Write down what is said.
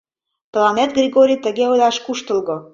Тыланет, Григорий, тыге ойлаш куштылго.